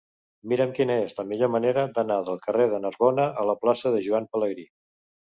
Mira'm quina és la millor manera d'anar del carrer de Narbona a la plaça de Joan Pelegrí.